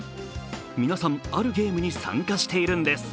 皆さん、あるゲームに参加しているんです。